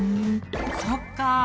そっか。